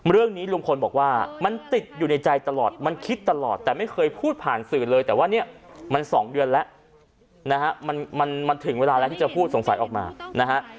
ลุงพลบอกว่ามันติดอยู่ในใจตลอดมันคิดตลอดแต่ไม่เคยพูดผ่านสื่อเลยแต่ว่าเนี่ยมัน๒เดือนแล้วนะฮะมันถึงเวลาแล้วที่จะพูดสงสัยออกมานะฮะ